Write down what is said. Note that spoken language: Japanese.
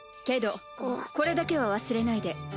けどこれだけは忘れないで。